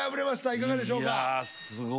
いかがでしょうか？